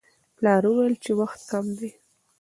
پلار وویل چې وخت کم دی.